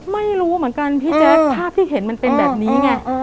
ไม่รู้เหมือนกันพี่แจ๊คภาพที่เห็นมันเป็นแบบนี้ไง